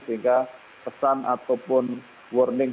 sehingga pesan ataupun warning